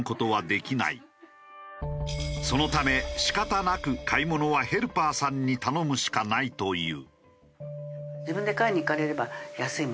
そのため仕方なく買い物はヘルパーさんに頼むしかないという。